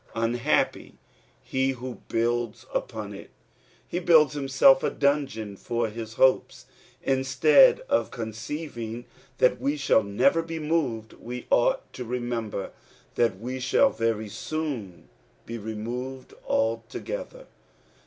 Unbappj he who builds upon it 1 He builds himself a dungeon for his hopps. lustrad of »» celving that we Bball never be moved, we ought to remember that we shall very soon be removed altogether.